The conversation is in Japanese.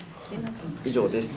以上です。